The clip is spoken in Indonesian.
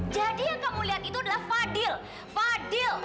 jadi yang kamu lihat itu adalah fadil fadil